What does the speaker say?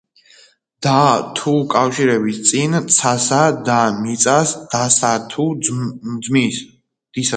ესპანელებმა ახალი სამხედრო ფლოტი ააგეს, რომელსაც „უძლეველი არმადა“ დაარქვეს.